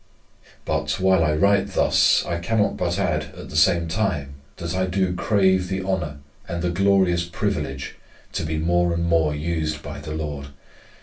But, while I write thus, I cannot but add at the same time, that I do crave the honour and the glorious privilege to be more and more used by the Lord.